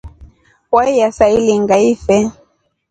Waiya saailinga ife.